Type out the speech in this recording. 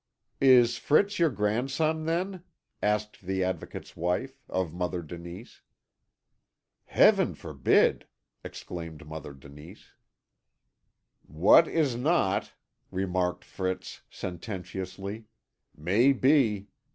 "Is Fritz your grandson, then?" asked the Advocate's wife, of Mother Denise. "Heaven forbid!" exclaimed Mother Denise. "What is not," remarked Fritz sententiously, "may be.